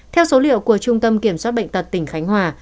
theo số liệu của trung tâm kiểm soát bệnh tật tỉnh khánh hòa